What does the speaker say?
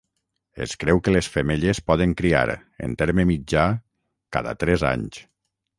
Es creu que les femelles poden criar, en terme mitjà, cada tres anys.